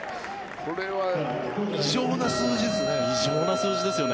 これは異常な数字ですね。